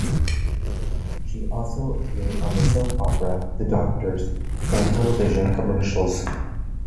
She also appeared on the soap opera "The Doctors" and television commercials.